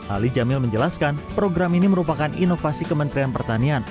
ali jamil menjelaskan program ini merupakan inovasi kementerian pertanian